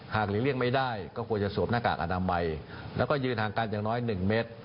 หลีกเลี่ยงไม่ได้ก็ควรจะสวมหน้ากากอนามัยแล้วก็ยืนห่างกันอย่างน้อย๑เมตร